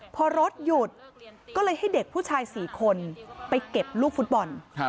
พอรถหยุดก็เลยให้เด็กผู้ชาย๔คนไปเก็บลูกฟุตบอล